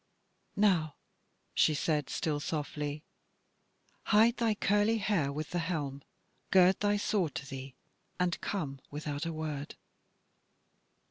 "Now," she said, still softly, "hide thy curly hair with the helm, gird thy sword to thee, and come without a word."